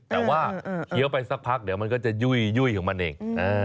แต่ว่าเคี้ยวไปสักพักเดี๋ยวมันก็จะยุ่ยของมันเอง